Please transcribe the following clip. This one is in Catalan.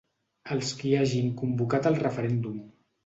Els qui hagin convocat el referèndum.